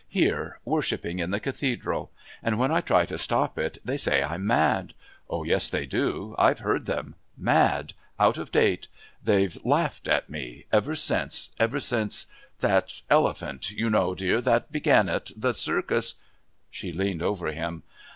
Here worshipping in the Cathedral! And when I try to stop it they say I'm mad. Oh, yes! They do! I've heard them. Mad. Out of date. They've laughed at me ever since ever since... that elephant, you know, dear...that began it...the Circus...." She leaned over him.